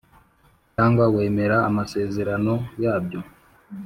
cyangwa wemera amasezerano yabyo